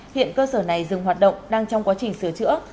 hiện cơ sở này dừng hoạt động đang trong quá trình sửa chữa